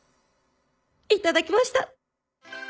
いただきました！